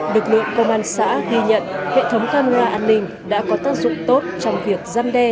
lực lượng công an xã ghi nhận hệ thống camera an ninh đã có tác dụng tốt trong việc gian đe